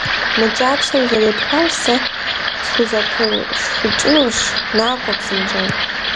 - Мы кӀапсэ узэрепхар сэ схузэпышхыкӀынущ, накӀуэ псынщӀэу!